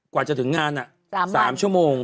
กว่าจะถึงงาน๓ชั่วโมง